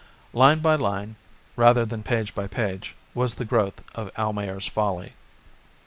Line by line, rather than page by page, was the growth of "Almayer's Folly."